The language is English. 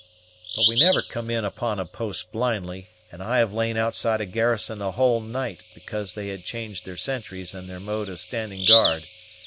But we never come in upon a post blindly; and I have lain outside a garrison a whole night, because they had changed their sentries and their mode of standing guard.